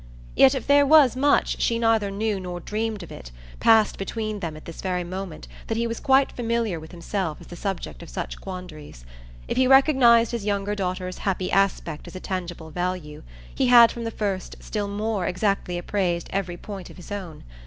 Yet if there was much she neither knew nor dreamed of it passed between them at this very moment that he was quite familiar with himself as the subject of such quandaries. If he recognised his younger daughter's happy aspect as a tangible value, he had from the first still more exactly appraised every point of his own.